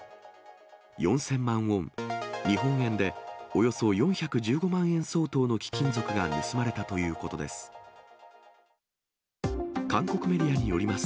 ４０００万ウォン、日本円でおよそ４１５万円相当の貴金属が盗まれたということです。